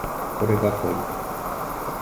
これが濃い